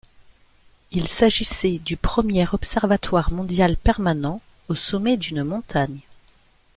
Il s'agissait du premier observatoire mondial permanent au sommet d'une montagne.